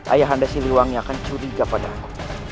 ayah anda siliwangi akan curiga padaku